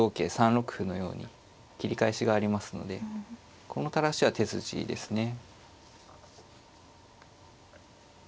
３六歩のように切り返しがありますのでこの垂らしは手筋ですね。